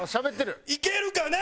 いけるかな？